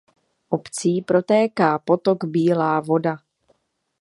Obcí protéká potok Bílá voda.